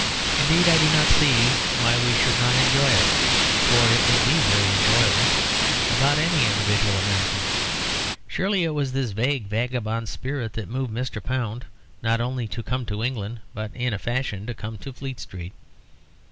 Indeed I do not see why we should not enjoy it (for it would be very enjoyable) about any individual American. Surely it was this vague vagabond spirit that moved Mr. Pound, not only to come to England, but in a fashion to come to Fleet Street.